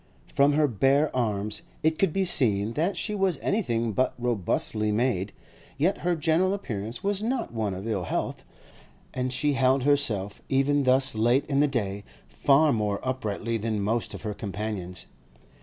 From her bare arms it could be seen that she was anything but robustly made, yet her general appearance was not one of ill health, and she held herself, even thus late in the day, far more uprightly than most of her companions.